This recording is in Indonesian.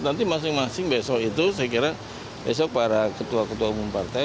nanti masing masing besok itu saya kira besok para ketua ketua umum partai